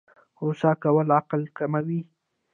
غوسه کول عقل کموي